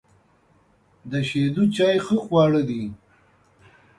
د شیدو چای ښه خواړه دي.